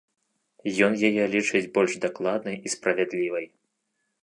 Ён яе лічыць больш дакладнай і справядлівай.